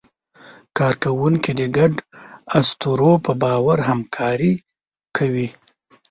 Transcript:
کارکوونکي د ګډو اسطورو په باور همکاري کوي.